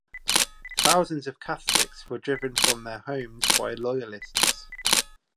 Thousands of Catholics were driven from their homes by loyalists.